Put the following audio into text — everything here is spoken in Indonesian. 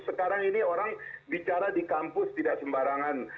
sekarang ini orang bicara di kampus tidak sembarangan